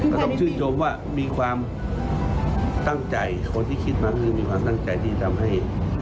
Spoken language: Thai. ก็ต้องชื่นชมว่ามีความตั้งใจคนที่คิดมาคือมีความตั้งใจที่ทำให้